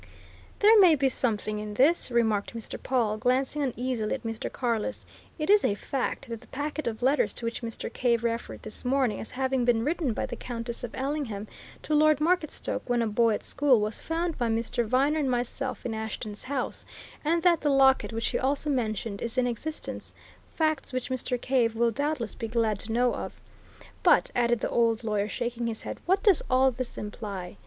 "There may be something in this," remarked Mr. Pawle, glancing uneasily at Mr. Carless. "It is a fact that the packet of letters to which Mr. Cave referred this morning as having been written by the Countess of Ellingham to Lord Marketstoke when a boy at school, was found by Mr. Viner and myself in Ashton's house, and that the locket which he also mentioned is in existence facts which Mr. Cave will doubtless be glad to know of. But," added the old lawyer, shaking his head, "what does all this imply?